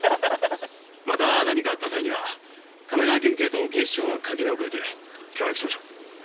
また何かあった際には神奈川県警と警視庁の垣根を越えて協力しましょう。